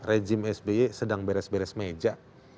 rejim sby sedang beres beres meja